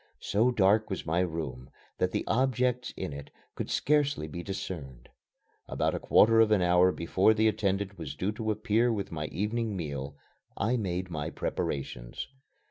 So dark was my room then that objects in it could scarcely be discerned. About a quarter of an hour before the attendant was due to appear with my evening meal I made my preparations.